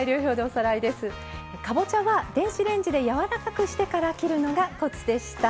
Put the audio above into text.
かぼちゃは電子レンジでやわらかくしてから切るのがコツでした。